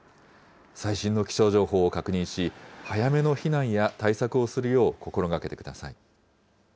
最新の気象情報を確認し、早めの避難や対策をするよう、心がけてください。